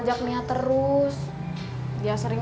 ya kan lu yakin